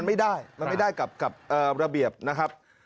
มันไม่ได้กับระเบียบนะครับ